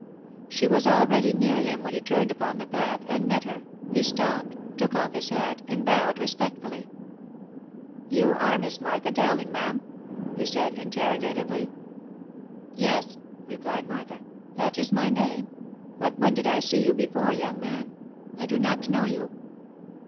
She was already near him when he turned upon the path, and met her. He stopped, took off his hat, and bowed respectfully. " You are Miss Martha Dowling, ma'am ?" he said interrogatively. " Yes," replied Martha, " that is my name, but when did I see you before, young man ? I do not know you."